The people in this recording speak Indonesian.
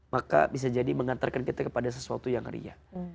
maka bisa jadi mengantarkan kita kepada sesuatu yang riah